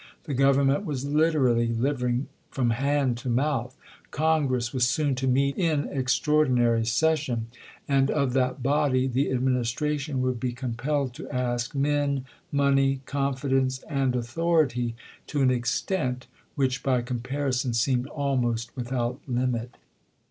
The Government was literally liviug from hand to mouth. Congress was soon to meet in extraordinary session, and of that body the Administration would be compelled to ask men, money, confidence, and authority, to Vol. IV.— 21 322 ABRAHAM LINCOLN ch. XVIII. an extent which by comparison seemed almost without limit.